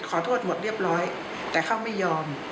ขอโทษหมดเรียบร้อยแต่เขาไม่ยอม